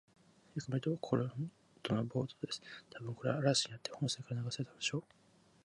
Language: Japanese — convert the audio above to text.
よく見ると、ほんとのボートです。たぶん、これは嵐にあって本船から流されたのでしょう。